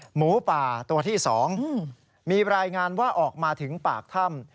หมูป่าตัวที่๒มีรายงานว่าออกมาถึงปากถ้ำ